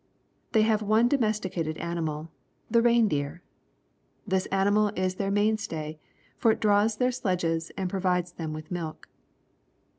They have one domesticated animal — the rein deer. This animal is their mainstay, for it draws their sledges and provides them with milk.